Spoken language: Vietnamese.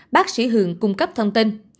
bác sĩ hường cung cấp thông tin